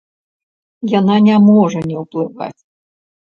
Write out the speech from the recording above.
Яна не можа не ўплываць.